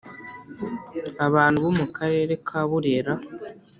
Abantu bo mu karere ka burera.